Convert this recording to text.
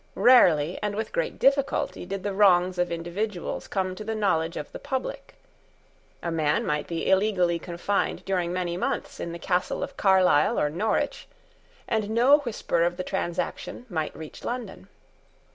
Rarely and with great difficulty did the wrongs of individuals come to the knowledge of the public. A man might be illegally confined during many months in the castle of Carlisle or Norwich; and no whisper of the transaction might reach London.